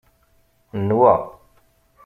Nwa